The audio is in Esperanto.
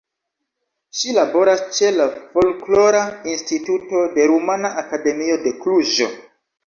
Ŝi laboras ĉe la Folklora Instituto de Rumana Akademio de Kluĵo.